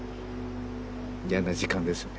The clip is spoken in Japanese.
嫌な時間ですよね